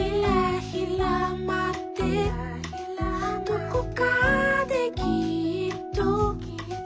「どこかできっと」